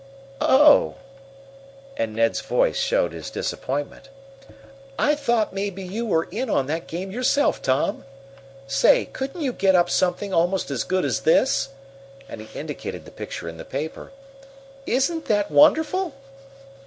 "Oh!" And Ned's voice showed his disappointment. "I thought maybe you were in on that game yourself, Tom. Say, couldn't you get up something almost as good as this?" and he indicated the picture in the paper. "Isn't that wonderful?"